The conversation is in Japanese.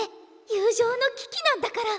友情の危機なんだから。